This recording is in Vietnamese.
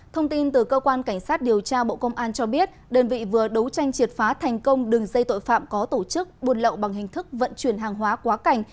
thông tin từ cơ quan cảnh sát điều tra bộ công an cho biết đơn vị vừa đấu tranh triệt phá thành công đường dây tội phạm có tổ chức buôn lậu bằng hình thức vận chuyển hàng hóa quá cảnh